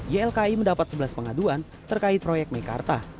ylki mendapat sebelas pengaduan terkait proyek meikarta